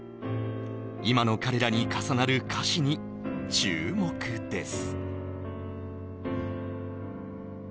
今の彼らに重なる歌詞に注目です